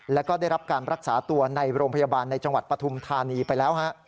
แล้วก็ได้รับการรักษาตัวในโรงพยาบาลในจังหวัดปฐุมธานีไปแล้วฮะ